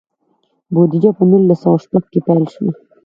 بودیجه په نولس سوه شپږ کې پیل شوه.